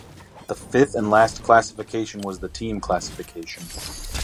The fifth and last classification was the team classification.